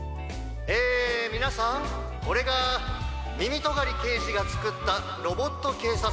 えみなさんこれがみみとがりけいじがつくったロボットけいさつ